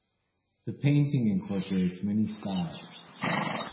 The painting incorporates many styles.